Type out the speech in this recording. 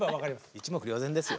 一目瞭然ですよ。